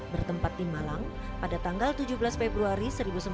bertempat di malang pada tanggal tujuh belas februari seribu sembilan ratus empat puluh